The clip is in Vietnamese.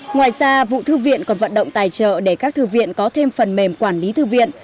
ngoài ra vụ thư viện còn vận động tài trợ để các thư viện có thêm phần mềm quản lý thư viện